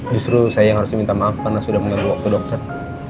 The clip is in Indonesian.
justru saya yang harusnya minta maaf karena sudah mengambil waktu dokter